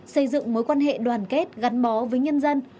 xây dựng mối quan hệ đoàn kết gắn bó với nhân dân